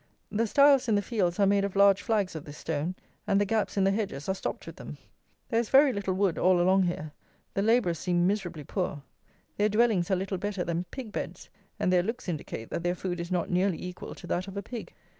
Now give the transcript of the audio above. The stiles in the fields are made of large flags of this stone, and the gaps in the hedges are stopped with them. There is very little wood all along here. The labourers seem miserably poor. Their dwellings are little better than pig beds, and their looks indicate that their food is not nearly equal to that of a pig.